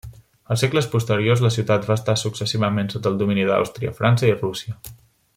Als segles posteriors, la ciutat va estar successivament sota el domini d'Àustria, França i Rússia.